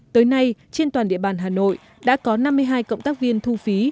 tới nay trên toàn địa bàn hà nội đã có năm mươi hai cộng tác viên thu phí